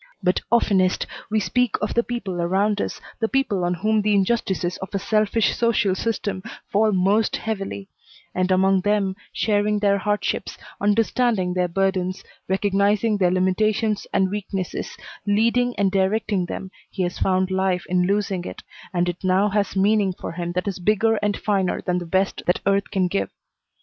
But oftenest we speak of the people around us, the people on whom the injustices of a selfish social system fall most heavily; and among them, sharing their hardships, understanding their burdens, recognizing their limitations and weaknesses, leading and directing them, he has found life in losing it, and it now has meaning for him that is bigger and finer than the best that earth can give.